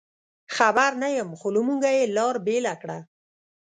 خبر نه یم، خو له موږه یې لار بېله کړه.